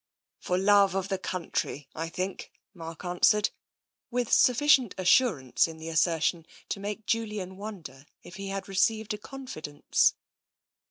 *' For love of the country, I think," Mark answered, with sufficient assurance in the assertion to make Julian wonder if he had received a confidence.